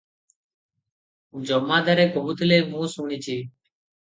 ଜମାଦାରେ କହୁଥିଲେ ମୁଁ ଶୁଣିଛି ।